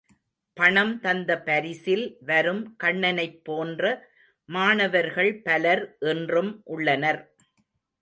பணம் தந்த பரிசில் வரும் கண்ணனைப் போன்ற மாணவர்கள் பலர் இன்றும் உள்ளனர்.